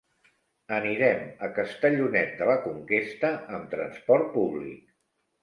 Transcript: Anirem a Castellonet de la Conquesta amb transport públic.